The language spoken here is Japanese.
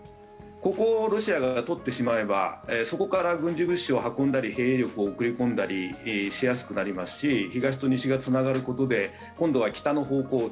ここをロシアが取ってしまえばそこから軍事物資を運んだり兵力を送り込んだりしやすくなりますし東と西がつながることで今度は北の方向